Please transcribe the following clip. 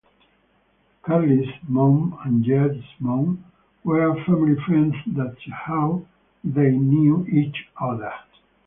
Carly's mom and Jade's mom were family friends that's how they knew each other.